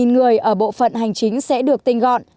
một mươi người ở bộ phận hành chính sẽ được tinh gọn